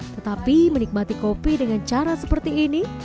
tetapi menikmati kopi dengan cara seperti ini